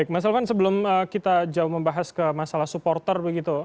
mas elvan sebelum kita jauh membahas ke masalah supporter begitu